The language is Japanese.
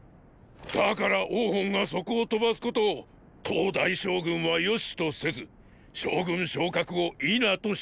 だから王賁がそこを飛ばすことを騰大将軍はよしとせず将軍昇格を否としたのだ。